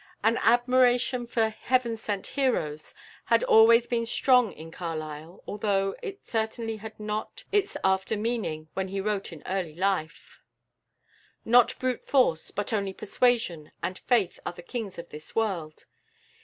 An admiration for "heaven sent heroes" had always been strong in Carlyle, although it certainly had not its after meaning when he wrote in early life, "Not brute force, but only persuasion and faith are the kings of this world."